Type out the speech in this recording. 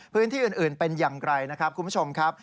พื้นที่อื่นเป็นอย่างไรนะครับคุณผู้ชมครับ